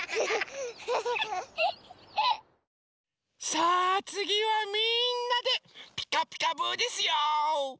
さあつぎはみんなで「ピカピカブ！」ですよ。